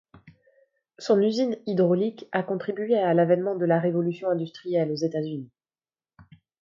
Son usine hydraulique a contribué à l’avènement de la révolution industrielle aux États-Unis.